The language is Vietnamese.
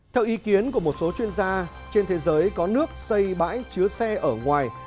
theo ý kiến của một số chuyên gia trên thế giới có nước xây bãi chứa xe ở ngoài